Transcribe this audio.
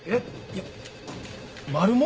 いやマルモ？